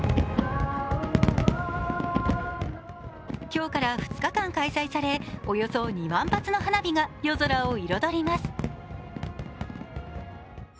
今日から２日間開催され、およそ２万発の花火が夜空を彩ります。